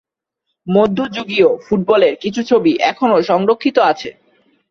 মধ্যযুগীয় ফুটবলের কিছু ছবি এখন সংরক্ষিত আছে।